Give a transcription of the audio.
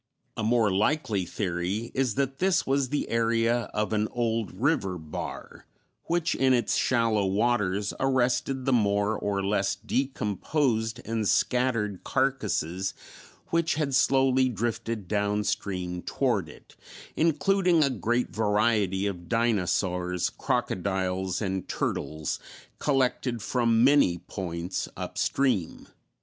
A more likely theory is that this was the area of an old river bar, which in its shallow waters arrested the more or less decomposed and scattered carcasses which had slowly drifted down stream toward it, including a great variety of dinosaurs, crocodiles, and turtles, collected from many points up stream.